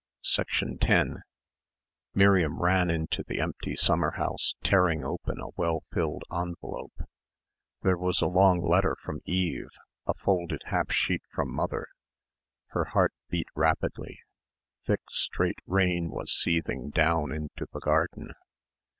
10 Miriam ran into the empty summer house tearing open a well filled envelope. There was a long letter from Eve, a folded half sheet from mother. Her heart beat rapidly. Thick straight rain was seething down into the garden.